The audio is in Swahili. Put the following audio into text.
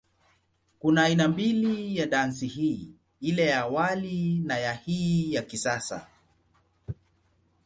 Kuna aina mbili ya dansi hii, ile ya awali na ya hii ya kisasa.